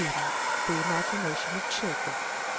THE IMAGINATION IN CHILDREN.